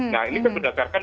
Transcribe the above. nah ini kan berdasarkan